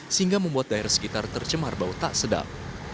sehingga membuat daerah sekitar tercemar bau tak sedap